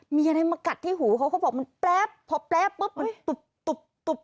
มีอะไรมากัดที่หูเขาเขาบอกมันแป๊บพอแป๊บปุ๊บ